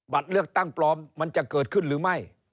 เลือกตั้งปลอมมันจะเกิดขึ้นหรือไม่